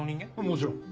もちろん。